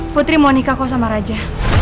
putri mau nikah kok sama raja